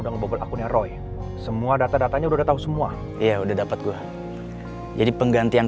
udah ngebobol akunnya roy semua data datanya udah tahu semua iya udah dapat gua jadi penggantian